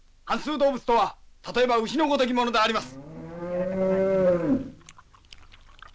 動物とは例えば牛のごときものであります。